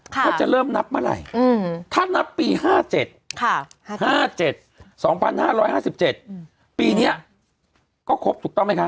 ถ้าจะเริ่มนับเมื่อไหร่ถ้านับปี๕๗๕๗๒๕๕๗ปีนี้ก็ครบถูกต้องไหมคะ